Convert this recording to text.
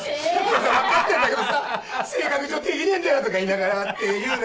分かってたけどさ、性格上できねえんだよとか言いながら、言ってんだよな。